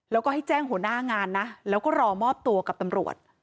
แล้วก็ให้แจ้งหัวหน้างานนะแล้วก็รอมอบตัวกับตำรวจ